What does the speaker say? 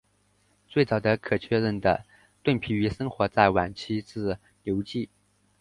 最早的可确认的盾皮鱼生活在晚期志留纪。